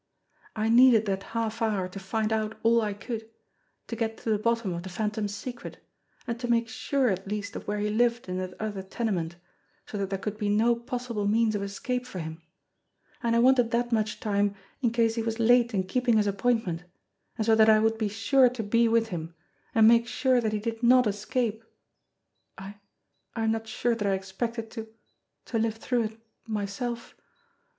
I needed that half hour to find out all I could, to get to the bottom of the Phantom's secret, or to make sure at least of where he lived in that other tenement, so that there could be no possible means of escape for him ; and I wanted that much time in case he was late in keeping his appoint ment, and so that I would be sure to be with him and make THE PORT OF DAWN 301 sure that he did not escape. I I am not sure that I ex pected to to live through it myself.